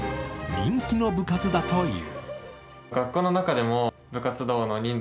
人気の部活だという。